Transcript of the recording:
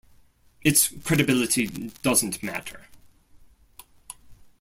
Its credibility doesn't matter.